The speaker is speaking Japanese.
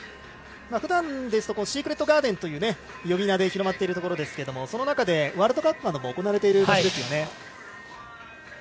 ふだんですとシークレットガーデンという呼び名で広まっているところですけどその中でワールドカップなども行われている場所です。